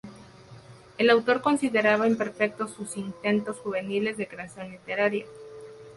El autor consideraba imperfectos sus intentos juveniles de creación literaria.